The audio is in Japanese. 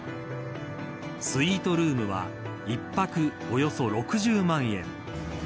スイートルームは１泊およそ６０万円。